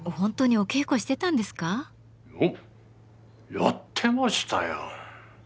やってましたよ。